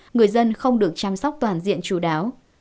người dân không được chăm sóc toàn diện chú đáo